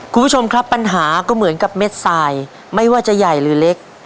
คุณผู้ชมครับปัญหาก็เหมือนกับเม็ดทรายไม่ว่าจะใหญ่หรือเล็ก